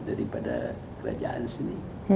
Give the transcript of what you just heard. daripada kerajaan sendiri